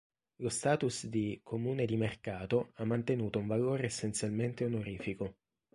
Lo status di "comune di mercato" ha mantenuto un valore essenzialmente onorifico.